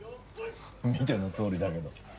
見てのとおりだけど。